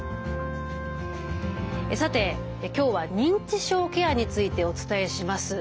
さて今日は認知症ケアについてお伝えします。